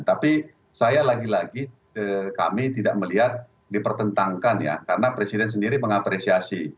tapi saya lagi lagi kami tidak melihat dipertentangkan ya karena presiden sendiri mengapresiasi